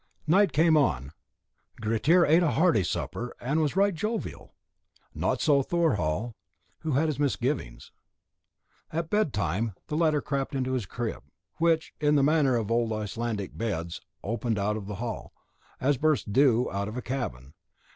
Night came on; Grettir ate a hearty supper and was right jovial; not so Thorhall, who had his misgivings. At bedtime the latter crept into his crib, which, in the manner of old Icelandic beds, opened out of the hall, as berths do out of a cabin.